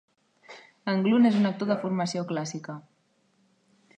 Englund és un actor de formació clàssica.